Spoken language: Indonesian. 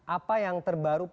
apa yang terbaru pak